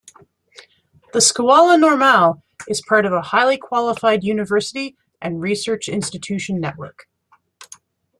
The Scuola Normale is part of a highly qualified university and research institution network.